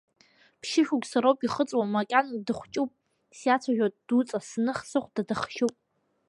Ԥшьышықәса роуп ихыҵуа, макьана дыхәҷуп, сиацәажәоит дуҵас, зных, сыхәда дыхшьуп.